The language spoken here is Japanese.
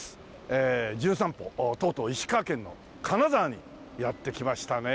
ええ『じゅん散歩』とうとう石川県の金沢にやって来ましたね。